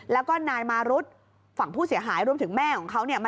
แล้วก็นายมารุธฝั่งผู้เสียหายรวมถึงแม่ของเขาเนี่ย